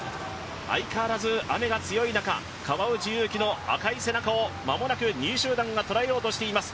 相変わらず雨が強い中、川内優輝の赤い背中を間もなく、２位集団が捉えようとしています。